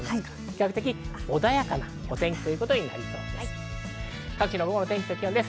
比較的穏やかなお天気となりそうです。